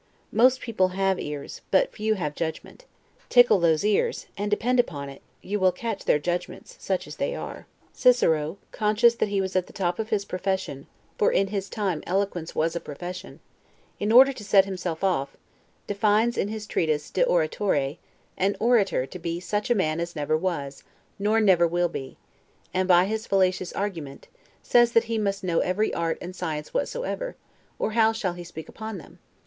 Most people have ears, but few have judgment; tickle those ears, and depend upon it, you will catch their judgments, such as they are. Cicero, conscious that he was at the top of his profession (for in his time eloquence was a profession), in order to set himself off, defines in his treatise 'De Oratore', an orator to be such a man as never was, nor never will be; and, by his fallacious argument, says that he must know every art and science whatsoever, or how shall he speak upon them?